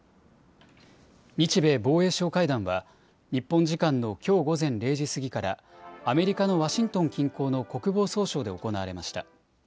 日米防衛相会談は、日本時間のきょう午前０時過ぎから、アメリカのワシントン近郊の国防総省で行われました。